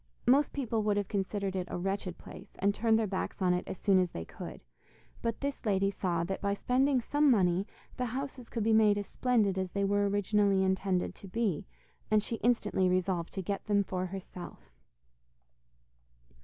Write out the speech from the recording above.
Most people would have considered it a wretched place, and turned their backs on it as soon as they could, but this lady saw that by spending some money the houses could be made as splendid as they were originally intended to be, and she instantly resolved to get them for herself.